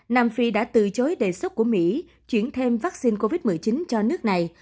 nam phi đã từ chối đề xuất của mỹ chuyển thêm vaccine covid một mươi chín cho nước này